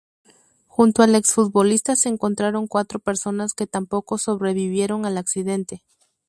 Junto al exfutbolista se encontraban cuatro personas que tampoco sobrevivieron al accidente.